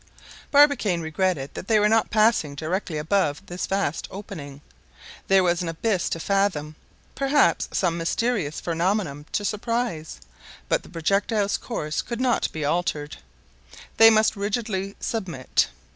Barbicane regretted that they were not passing directly above this vast opening. There was an abyss to fathom, perhaps some mysterious phenomenon to surprise; but the projectile's course could not be altered. They must rigidly submit.